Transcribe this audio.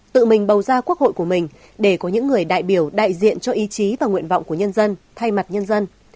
tự mình bầu ra quốc hội của mình để có những người đại biểu đại diện cho ý chí và nguyện vọng của nhân dân thay mặt nhân dân